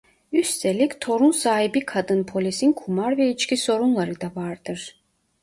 Üstelik torun sahibi kadın polisin kumar ve içki sorunları da vardır.